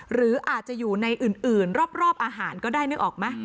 หรืออาจจะอยู่ในอื่นรอบอาหารก็ได้นึกออกไหม